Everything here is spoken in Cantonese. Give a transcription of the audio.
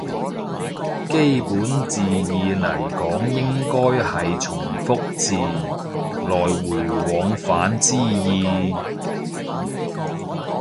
基本字義嚟講應該係從復字，來回往返之意